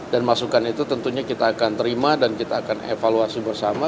dan masukan itu tentunya kita akan terima dan kita akan evaluasi bersama